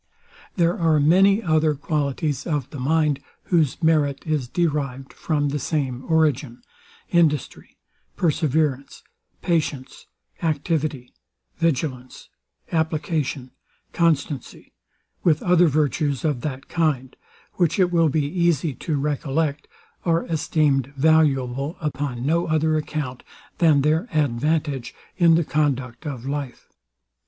There are many other qualities of the mind, whose merit is derived from the same origin, industry, perseverance, patience, activity, vigilance, application, constancy, with other virtues of that kind, which it will be easy to recollect, are esteemed valuable upon no other account, than their advantage in the conduct of life.